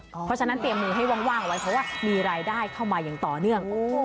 เพราะฉะนั้นเตรียมมือให้ว่างไว้เพราะว่ามีรายได้เข้ามาอย่างต่อเนื่อง